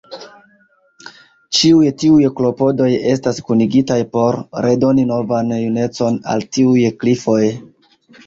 Ĉiuj tiuj klopodoj estas kunigitaj por redoni novan junecon al tiuj klifoj.